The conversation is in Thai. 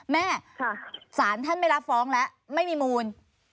สารท่านไม่รับฟ้องแล้วไม่มีมูล